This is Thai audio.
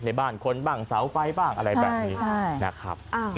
ในบ้านคนบ้างเสาไฟบ้างอะไรแบบนี้นะครับ